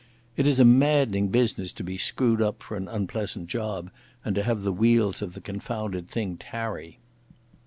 It is a maddening business to be screwed up for an unpleasant job and to have the wheels of the confounded thing tarry.